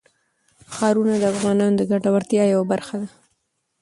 ښارونه د افغانانو د ګټورتیا یوه برخه ده.